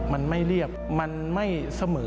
มันไม่เรียบมันไม่เสมอ